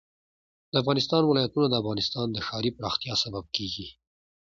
د افغانستان ولايتونه د افغانستان د ښاري پراختیا سبب کېږي.